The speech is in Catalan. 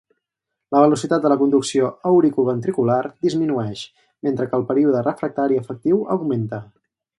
La velocitat de la conducció auriculoventricular disminueix, mentre que el període refractari efectiu augmenta.